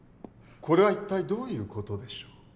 これは一体どういう事でしょう？